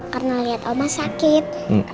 karna liat omah sakit